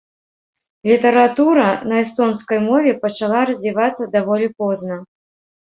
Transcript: Літаратура на эстонскай мове пачала развівацца даволі позна.